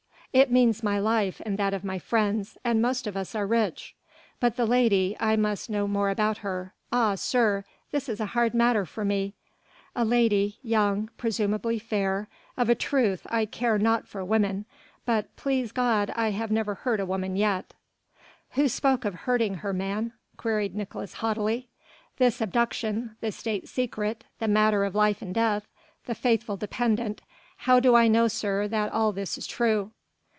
"It means my life and that of my friends, and most of us are rich." "But the lady I must know more about her. Ah sir! this is a hard matter for me A lady young presumably fair of a truth I care naught for women, but please God I have never hurt a woman yet." "Who spoke of hurting her, man?" queried Nicolaes haughtily. "This abduction the State secret the matter of life and death the faithful dependent how do I know, sir, that all this is true?"